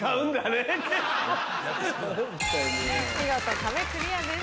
見事壁クリアです。